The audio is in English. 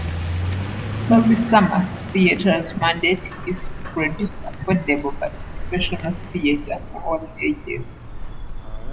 Kimberley Summer Theatre's mandate is to produce affordable but professional theatre for all ages.